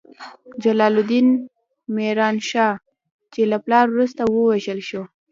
جلال الدین میران شاه، چې له پلار وروسته ووژل شو.